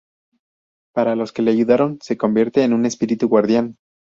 Para los que le ayudaron se convierte en un espíritu guardián.